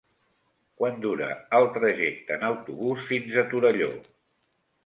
Quant dura el trajecte en autobús fins a Torelló?